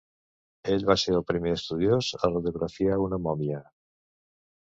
Ell va ser el primer estudiós a radiografia una mòmia.